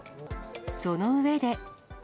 その上で。